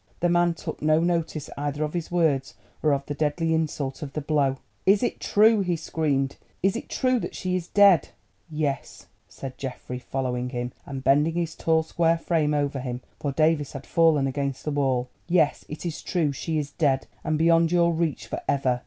The man took no notice either of his words or of the deadly insult of the blow. "Is it true?" he screamed, "is it true that she is dead?" "Yes," said Geoffrey, following him, and bending his tall square frame over him, for Davies had fallen against the wall, "yes, it is true—she is dead—and beyond your reach for ever.